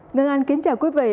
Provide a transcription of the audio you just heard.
nguyễn anh kính chào quý vị